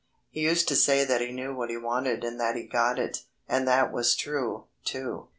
He used to say that he knew what he wanted and that he got it, and that was true, too.